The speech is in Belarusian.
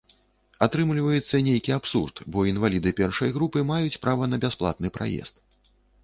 Атрымліваецца нейкі абсурд, бо інваліды першай групы маюць права на бясплатны праезд.